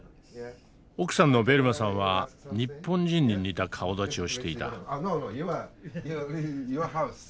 奥さんのベルマさんは日本人に似た顔だちをしていた。